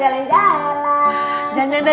siapa yang udah pulang